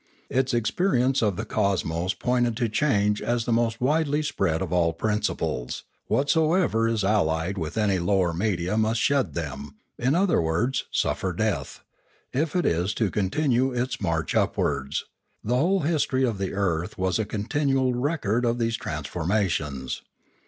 Its experience of the cosmos pointed to change as the most widely spread of all principles; whatsoever is allied with any lower media must shed them, or in other words suffer death, if it is to continue its march upwards; the whole history of the earth was a continual record of these transform ations.